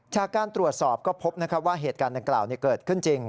จากการตรวจสอบก็พบว่าเหตุการณ์ดังกล่าวเกิดขึ้นจริง